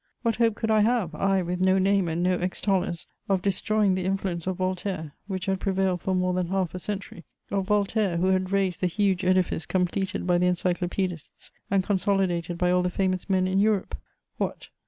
What hope could I have, I with no name and no extollers, of destroying the influence of Voltaire, which had prevailed for more than half a century, of Voltaire, who had raised the huge edifice completed by the Encyclopædists and consolidated by all the famous men in Europe? What!